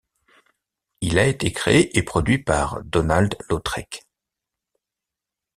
Il a été créé et produit par Donald Lautrec.